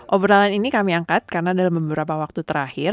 obrolan ini kami angkat karena dalam beberapa waktu terakhir